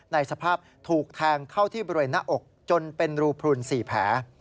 ในสภาพถูกแทงเข้าที่บริเวณหน้าอกจนเป็นรูพลุน๔แผล